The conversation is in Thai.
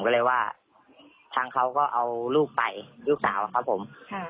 ก็เลยว่าทางเขาก็เอาลูกไปลูกสาวครับผม